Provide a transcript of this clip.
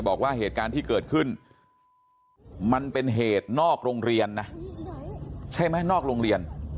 บอกว่าเหตุการณ์ที่เกิดขึ้นมันเป็นเหตุนอกโรงเรียนนะใช่ไหมนอกโรงเรียน